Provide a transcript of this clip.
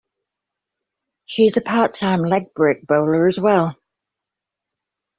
She is a part-time leg-break bowler as well.